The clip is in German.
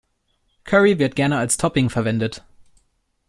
Curry wird gerne als Topping verwendet.